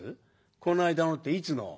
この間のっていつの？